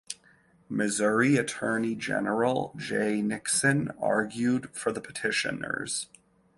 Missouri Attorney General Jay Nixon argued for the petitioners.